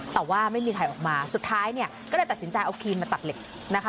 แต่ว่าไม่มีใครออกมาสุดท้ายเนี่ยก็เลยตัดสินใจเอาครีมมาตัดเหล็กนะคะ